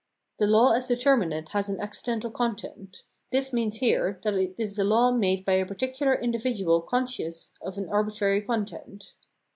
The law as determinate has an accidental content : this means here that it is a law made by a particular individual conscious of an arbitrary content.